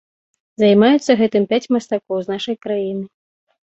Займаюцца гэтым пяць мастакоў з нашай краіны.